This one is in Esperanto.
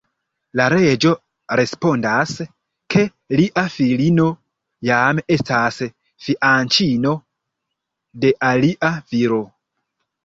La reĝo respondas, ke lia filino jam estas fianĉino de alia viro.